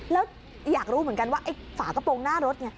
แล้วอยากรู้เหมือนกันว่าไอ้ฝากระโปรงหน้ารถไง